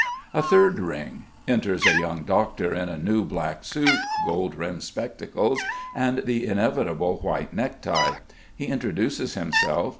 A third ring. Enters a young doctor in a new black suit, gold rimmed spectacles and the inevitable white necktie. He introduces himself.